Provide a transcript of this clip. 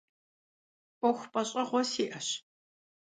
'Uexu peş'eğue si'eş.